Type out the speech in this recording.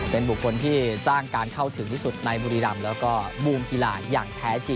เป็นบุคคลที่สร้างการเข้าถึงที่สุดในมุริรัมณ์